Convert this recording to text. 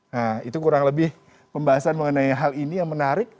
nah itu kurang lebih pembahasan mengenai hal ini yang menarik